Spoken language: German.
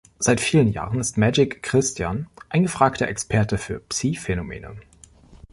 Seit vielen Jahren ist Magic Christian ein gefragter Experte für Psi-Phänomene.